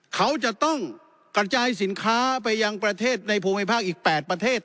เขาจะต้องกระจายสินค้าไปยังประเทศในภูมิภาคอีก๘ประเทศ